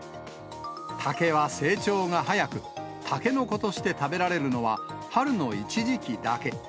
竹は成長が早く、タケノコとして食べられるのは、春の一時期だけ。